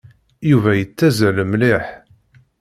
Yuba yettazzal mliḥ.